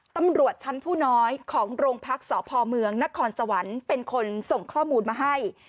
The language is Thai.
ตำรวจชั้นผู้น้อยของโรงพักษ์สพเมืองนครสวรรค์เป็นคนส่งข้อมูลมาให้